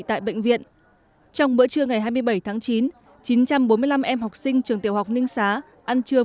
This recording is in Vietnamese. tại bệnh viện trong bữa trưa ngày hai mươi bảy tháng chín chín trăm bốn mươi năm em học sinh trường tiểu học ninh xá ăn trưa